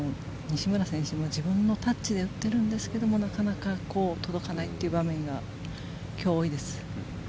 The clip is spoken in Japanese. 西村選手も自分のタッチで打ってるんですけどもなかなか届かないっていう場面が今日は多いです。